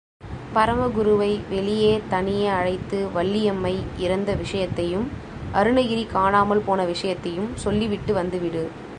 பரமகுருவை வெளியே தனியே அழைத்து வள்ளியம்மை இறந்த விஷயத்தையும், அருணகிரி காணாமல் போன விஷயத்தையும் சொல்லிவிட்டு வந்து விடு.